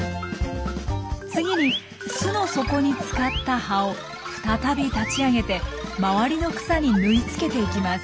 次に巣の底に使った葉を再び立ち上げて周りの草にぬい付けていきます。